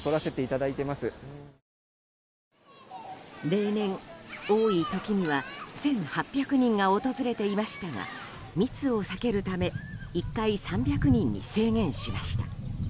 例年、多い時には１８００人が訪れていましたが密を避けるため１回３００人に制限しました。